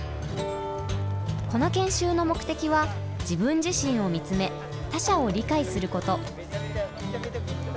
この研修の目的は自分自身を見つめ他者を理解すること。